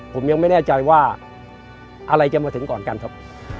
ผมยังไม่แน่ใจว่าอะไรจะมาถึงก่อนกันครับ